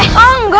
eh oh enggak